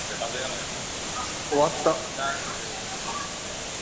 Schrader's script was rewritten by Heywood Gould.